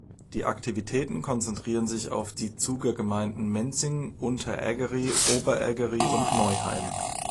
Die Aktivitäten konzentrieren sich auf die Zuger Gemeinden Menzingen, Unterägeri, Oberägeri und Neuheim.